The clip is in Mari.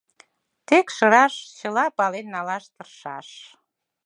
Текшыраш — чыла пален налаш тыршаш.